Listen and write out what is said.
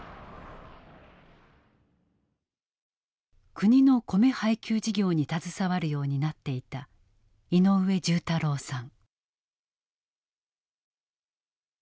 国の米配給事業に携わるようになっていた井上重太郎さん。